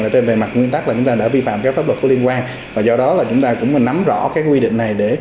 là trên bề mặt nguyên tắc là chúng ta đã vi phạm các pháp luật có liên quan và do đó là chúng ta cũng phải nắm rõ cái quy định này